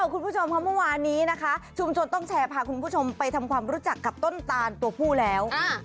คุณผู้ชมค่ะเมื่อวานนี้นะคะชุมชนต้องแชร์พาคุณผู้ชมไปทำความรู้จักกับต้นตานตัวผู้แล้ว